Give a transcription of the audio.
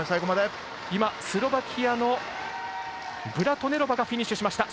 スロバキアのブラトネロバがフィニッシュしました。